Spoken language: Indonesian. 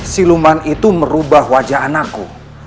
siluman itu merubah wajah anakku